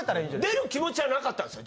出る気持ちはなかったんですよ